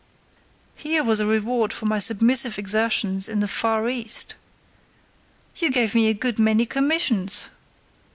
Here was a reward for my submissive exertions in the far east! "You gave me a good many commissions!"